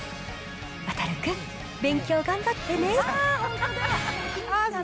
渉君、勉強頑張ってね。